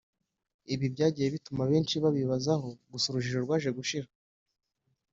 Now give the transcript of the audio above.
Ibi byagiye bituma benshi babibazaho gusa urujijo rwaje gushira